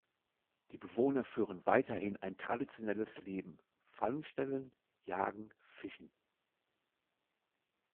Die Bewohner führen weiterhin ein traditionelles Leben: Fallen stellen, Jagen, Fischen.